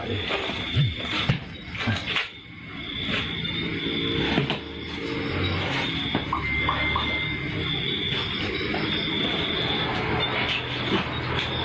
กระดูกของจริง